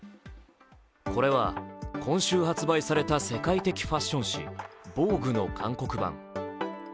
これは今週発売された世界的ファッション誌「ＶＯＧＵＥ」の韓国版。